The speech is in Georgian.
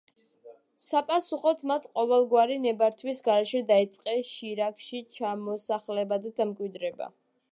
საპასუხოდ მათ ყოველგვარი ნებართვის გარეშე დაიწყეს შირაქში ჩამოსახლება და დამკვიდრება.